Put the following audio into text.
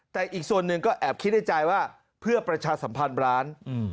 แต่อีกส่วนหนึ่งก็แอบคิดในใจว่าเพื่อประชาสัมพันธ์ร้าน